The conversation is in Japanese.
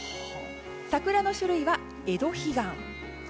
桜の種類はエドヒガン。